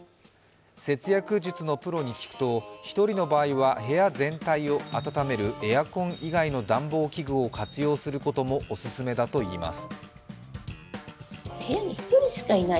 節約術のプロに聞くと１人の場合は部屋全体を暖めるエアコン以外の暖房器具を活用することもオススメだといいます。